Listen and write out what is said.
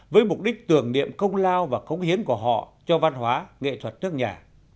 với mục đích tưởng niệm công lao và cống hiến của họ cho văn hóa nghệ thuật nước nhà